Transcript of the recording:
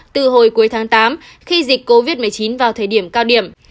từ hồi cuối tháng tám khi dịch covid một mươi chín vào thời điểm cao điểm